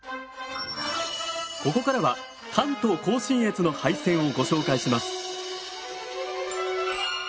ここからは関東甲信越の廃線をご紹介します。